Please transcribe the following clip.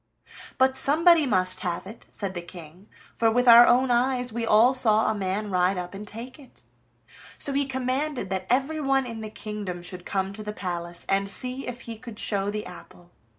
"But somebody must have it," said the King, "for with our own eyes we all saw a man ride up and take it." So he commanded that everyone in the kingdom should come to the palace, and see if he could show the apple.